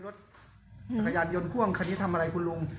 รถจักรยานยนต์พ่วงคันนี้ทำอะไรคุณลุง